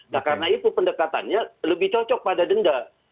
nah karena itu pendekatannya lebih cocok pada denda